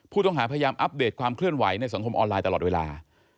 ผู้ต้องหาพยายามอัปเดตความเคลื่อนไหวในสังคมออนไลน์ตลอดเวลา